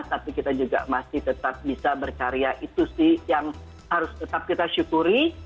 tapi kita juga masih tetap bisa berkarya itu sih yang harus tetap kita syukuri